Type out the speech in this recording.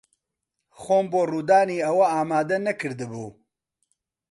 خۆم بۆ ڕوودانی ئەوە ئامادە نەکردبوو.